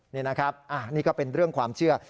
นี่นะครับนี่ก็เป็นเรื่องความเชื่อ